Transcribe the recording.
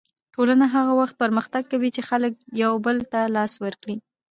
ټولنه هغه وخت پرمختګ کوي چې خلک یو بل ته لاس ورکړي.